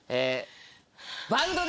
バンドで！